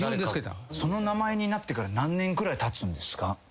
その名前になってから何年くらいたつんですか？